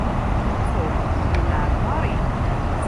Tom yenɛel Mary.